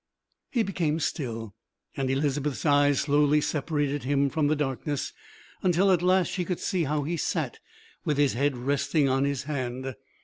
'" He became still, and Elizabeth's eyes slowly separated him from the darkness until at last she could see how he sat with his head resting on his hand.